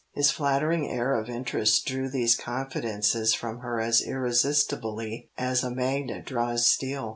His flattering air of interest drew these confidences from her as irresistibly as a magnet draws steel.